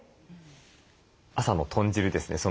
朝の豚汁ですね